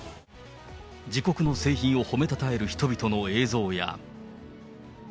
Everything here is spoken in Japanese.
自国の製品を褒めたたえる人々の映像や。